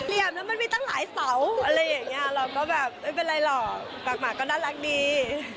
เหลี่ยมแล้วมันมีตั้งหลายเสาอะไรอย่างนี้